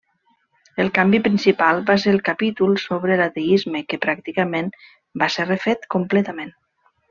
El canvi principal va ser el capítol sobre l'ateisme que, pràcticament, va ser refet completament.